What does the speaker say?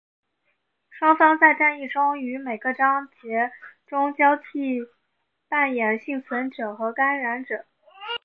双方在战役中于每一个章节中交替扮演幸存者和感染者。